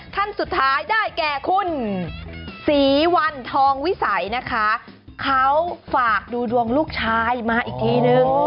ท่านสุดท้ายได้แก่คุณศรีวันทองวิสัยนะคะเขาฝากดูดวงลูกชายมาอีกทีนึง